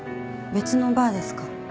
別のバーですか？